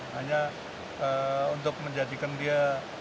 hanya untuk menjadikan dia